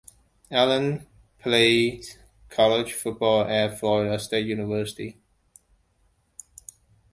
Allen played college football at Florida State University.